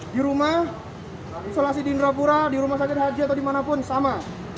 di rumah isolasi di indrapura di rumah sakit haji atau dimanapun sama